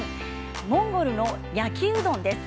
モンゴルの焼きうどんです。